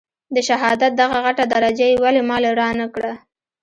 د شهادت دغه غټه درجه يې ولې ما له رانه کړه.